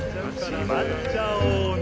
しまっちゃおうね。